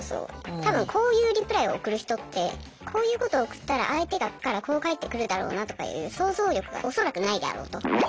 多分こういうリプライを送る人ってこういうことを送ったら相手からこう返ってくるだろうなとかいう想像力が恐らくないであろうと。